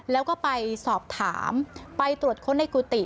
แล้วก็ไปสอบถามไปตรวจค้นในกุฏิ